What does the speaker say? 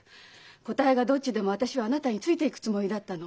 答えがどっちでも私はあなたについていくつもりだったの。